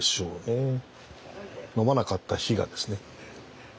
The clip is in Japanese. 飲まなかった日がですね。